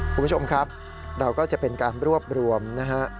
คุณผู้ชมครับเราก็จะเป็นการรวบรวมนะฮะ